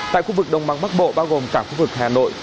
tại khu vực đồng bằng bắc bộ bao gồm cả khu vực hà nội